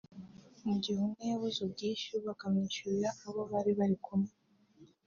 mu gihe umwe yabuze ubwishyu bakamwishyurira abo bari kumwe